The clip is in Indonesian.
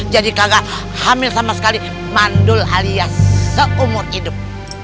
jadi kagak hamil sama sekali mandul alias seumur hidup